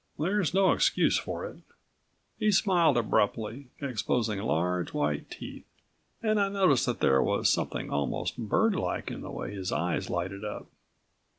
"There's no excuse for it." He smiled abruptly, exposing large, white teeth and I noticed that there was something almost birdlike in the way his eyes lighted up.